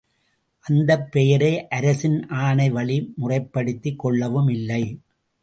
அந்தப் பெயரை அரசின் ஆணைவழி முறைப்படுத்திக் கொள்ளவும் இல்லை.